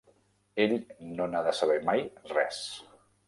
Ell no n'ha de saber mai res.